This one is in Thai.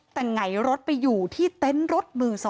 แต่ไงรถไปอยู่ที่เต็นต์รถมือ๒